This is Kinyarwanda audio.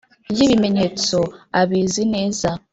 Y ibimenyetso abizi neza